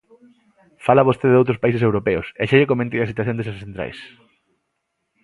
Fala vostede doutros países europeos, e xa lle comentei a situación desas centrais.